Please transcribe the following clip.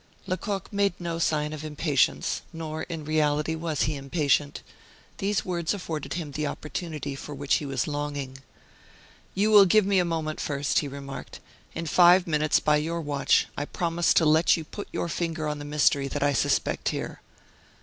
Lecoq made no sign of impatience: nor in reality was he impatient. These words afforded him the opportunity for which he was longing. "You will give me a moment first," he remarked. "In five minutes, by your watch, I promise to let you put your finger on the mystery that I suspect here."